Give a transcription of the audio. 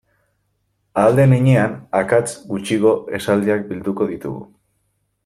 Ahal den heinean akats gutxiko esaldiak bilduko ditugu.